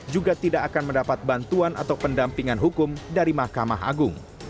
juga tidak akan mendapat bantuan atau pendampingan hukum dari mahkamah agung